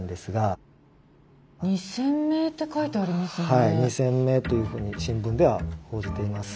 はい２，０００名というふうに新聞では報じています。